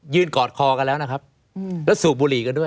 ยืนกอดคอกันแล้วนะครับ